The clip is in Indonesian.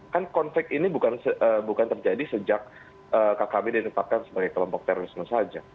kan konflik ini bukan terjadi sejak kkb ditetapkan sebagai kelompok terorisme saja